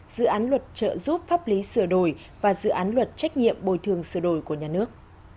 dự án luật trợ giúp pháp lý sửa đổi và dự án luật trách nhiệm bồi thường sửa đổi của nhà nước